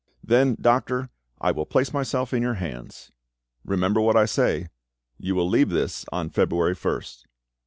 "Then, doctor, I will place myself in your hands." "Remember what I say. You will leave this on February 1st."